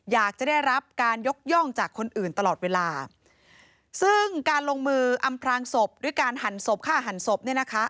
อยากจะได้รับการยกย่องจากคนอื่นตลอดเวลาซึ่งการลงมืออำพลางศพด้วยการหั่นศพฆ่าหันศพเนี่ยนะคะ